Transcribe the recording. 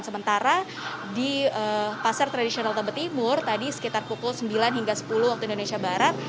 sementara di pasar tradisional tebet timur tadi sekitar pukul sembilan hingga sepuluh waktu indonesia barat